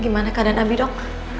gimana keadaan abi dok